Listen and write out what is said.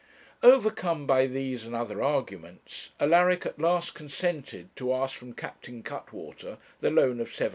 Overcome by these and other arguments, Alaric at last consented to ask from Captain Cuttwater the loan of £700.